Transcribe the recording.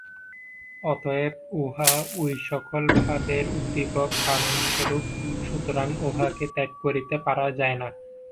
অতএব উহা ঐসকল ভাবের উদ্দীপক কারণস্বরূপ, সুতরাং উহাকে ত্যাগ করিতে পারা যায় না।